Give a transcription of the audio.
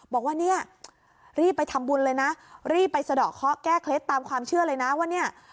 บอกว่าเนี่ยรีบไปทำบุญเลยนะรีบไปสะดอกเคาะแก้เคล็ดตามความเชื่อเลยนะว่าเนี่ย